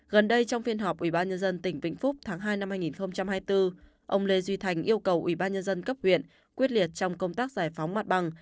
gần đây trong phiên họp ủy ban nhân dân tỉnh vĩnh phúc tháng hai năm hai nghìn hai mươi bốn ông lê duy thành yêu cầu ubnd cấp huyện quyết liệt trong công tác giải phóng mặt bằng